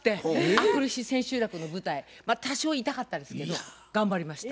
明くる日千秋楽の舞台多少痛かったですけど頑張りました。